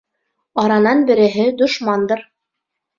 Аранан береһе дошмандыр.